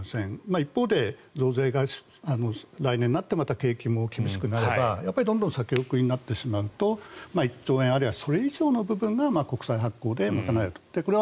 一方で増税が来年になってまた景気も厳しくなれば先送りになってしまうと１兆円あるいはそれ以上の部分が国債発行で賄えると。